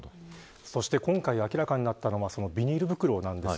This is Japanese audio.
今回明らかになったのがビニール袋です。